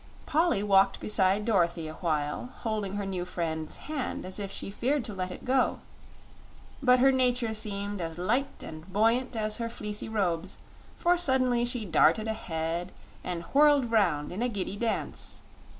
Polly walked beside Dorothy a while, holding her new friend's hand as if she feared to let it go; but her nature seemed as light and buoyant as her fleecy robes, for suddenly she darted ahead and whirled round in a giddy dance.